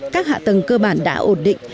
các hạ tầng cơ bản đã ổn định